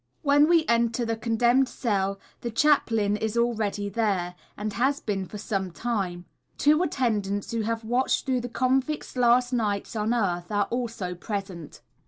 _ When we enter the condemned cell, the chaplain is already there, and has been for some time. Two attendants, who have watched through the convict's last nights on earth are also present.